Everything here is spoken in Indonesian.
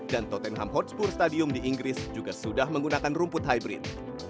dan tottenham hotspur stadium di inggris juga sudah menggunakan rumput hybrid